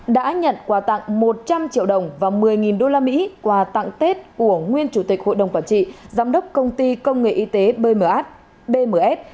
đã nhận quà tặng một trăm linh triệu đồng và một mươi đô la mỹ quà tặng tết của nguyên chủ tịch hội đồng quản trị giám đốc công ty công nghệ y tế bms